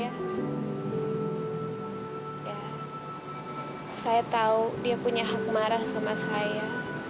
ya saya tahu dia punya hak marah sama saya